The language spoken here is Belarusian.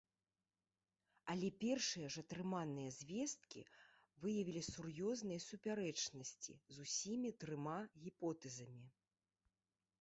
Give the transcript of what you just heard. Але першыя ж атрыманыя звесткі выявілі сур'ёзныя супярэчнасці з усімі трыма гіпотэзамі.